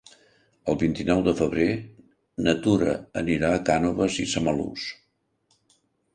El vint-i-nou de febrer na Tura anirà a Cànoves i Samalús.